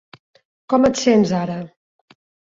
Com et sents ara?